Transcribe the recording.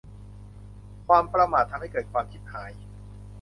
ความประมาททำให้เกิดความฉิบหาย